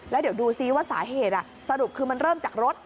แล้วเดี๋ยวดูซิว่าสาเหตุสรุปคือมันเริ่มจากรถ